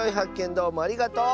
どうもありがとう！